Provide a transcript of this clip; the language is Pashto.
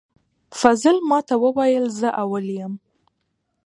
فضل ماته وویل زه اول یم